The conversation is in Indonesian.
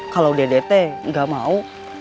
kalau dede teh gak mau